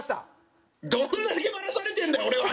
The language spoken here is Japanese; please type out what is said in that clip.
「どんだけバラされてんだよ俺は！」